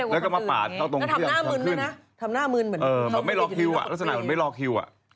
แล้วก็มาปาดเท่าตรงที่